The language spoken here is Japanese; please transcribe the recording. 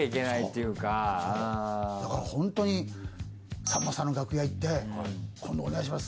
だからホントにさんまさんの楽屋行って今度お願いします